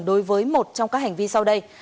đối với một trong các hành vi sau đây